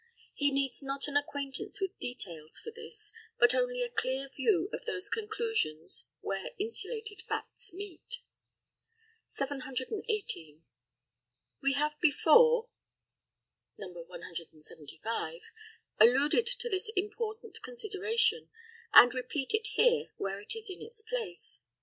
He needs not an acquaintance with details for this, but only a clear view of those conclusions where insulated facts meet. 718. We have before (175) alluded to this important consideration, and repeat it here where it is in its place.